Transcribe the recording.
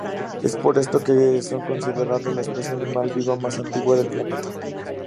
Es por esto que son considerados "la especie animal viva más antigua del planeta".